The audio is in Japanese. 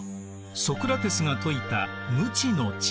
ソクラテスが説いた「無知の知」。